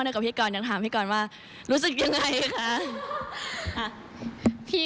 กูรู้ซึ่งว่าทำไมปั๊นไม่อาบน้ำค่ะ